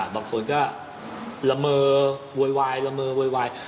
บางคนก็ระเมอโวยวาย